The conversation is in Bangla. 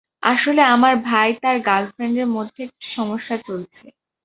আসলে, আমার ভাই তার গ্রার্লফ্রেন্ডের মধ্যে একটু সমস্যা চলছে।